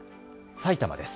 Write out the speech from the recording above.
埼玉です。